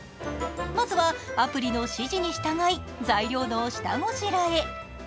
まずはアプリの指示に従い、材料の下ごしらえ。